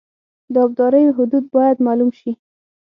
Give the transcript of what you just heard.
د ابدارۍ حدود باید معلوم شي